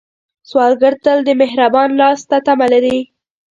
سوالګر تل د مهربان لاس تمه لري